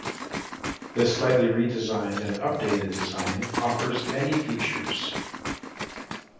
This slightly redesigned and updated design offers many features.